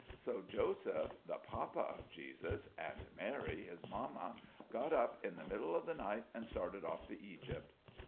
So Joseph, the papa of Jesus, and Mary, His mamma, got up in the middle of the night, and started off to Egypt."